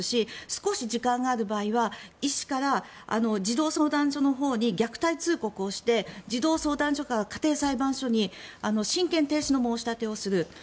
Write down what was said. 少し時間がある場合は医師から児童相談所のほうに虐待通告をして児童相談所から家庭裁判所に親権停止の申し立てをする。